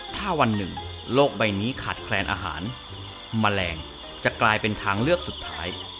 ถ้าวันหนึ่งโลกใบนี้ขาดแคลนอาหารแมลงจะกลายเป็นทางเลือกสุดท้าย